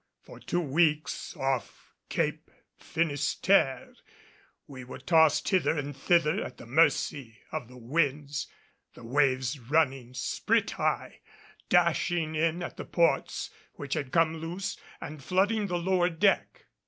For two weeks off Cape Finisterre we were tossed hither and thither at the mercy of the winds, the waves running sprit high, dashing in at the ports, which had come loose, and flooding the lower deck.